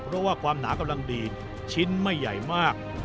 เพราะว่าความหนากำลังดีชิ้นไม่ใหญ่มาก